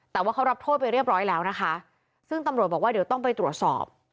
แต่ว่าเขารับโทษไปเรียบร้อยแล้วนะคะซึ่งตำรวจบอกว่าเดี๋ยวต้องไปตรวจสอบ